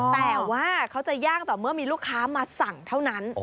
แต่ว่าเขาจะย่างต่อเมื่อมีลูกค้ามาสั่งเท่านั้น